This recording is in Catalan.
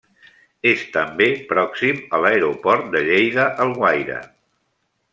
És també pròxim a l'Aeroport de Lleida-Alguaire.